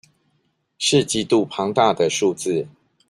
是極度龐大的數字